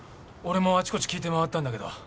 俺もあちこち聞いて回ったんだけど。